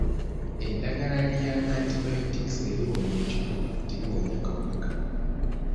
Eddagala lya Antibiotics eriwonya ekifuba teriwonya kawuka kono.